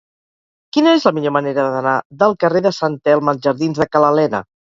Quina és la millor manera d'anar del carrer de Sant Elm als jardins de Ca l'Alena?